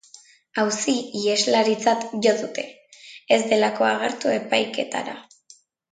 Auzi-iheslaritzat jo dute, ez delako agertu epaiketara.